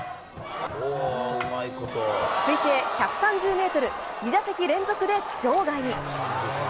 推定１３０メートル、２打席連続で場外に。